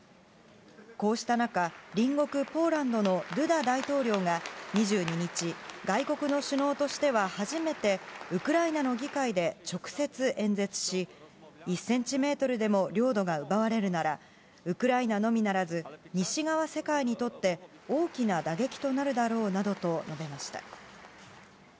こうした中、隣国ポーランドのドゥダ大統領が２２日、外国の首脳としては初めて、ウクライナの議会で直接演説し、１センチメートルでも領土が奪われるなら、ウクライナのみならず、西側世界にとって、大きな打撃となるだろうなどと述べました。